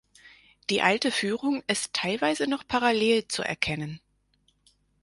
Die alte Führung ist teilweise noch parallel zu erkennen.